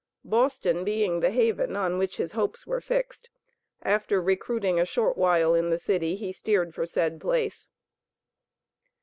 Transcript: Boston being the haven on which his hopes were fixed, after recruiting a short while in the city he steered for said place.